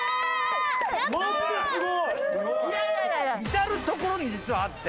至る所に実はあって。